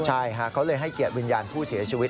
ใช่ค่ะเขาเลยให้เกียรติวิญญาณผู้เสียชีวิต